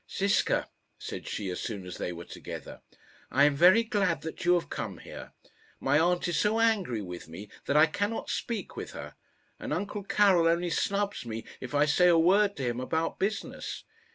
"Ziska," said she, as soon as they were together, "I am very glad that you have come here. My aunt is so angry with me that I cannot speak with her, and uncle Karil only snubs me if I say a word to him about business.